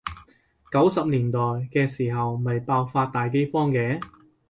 九十年代嘅時候咪爆發大饑荒嘅？